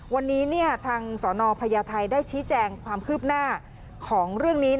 วันนี้ทางสนพญาไทยได้ชี้แจงความคืบหน้าของเรื่องนี้